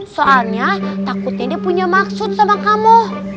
soalnya takutnya dia punya maksud sama kamu